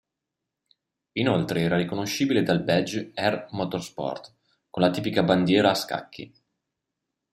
Inoltre era riconoscibile dal badge "R-Motorsport" con la tipica bandiera a scacchi.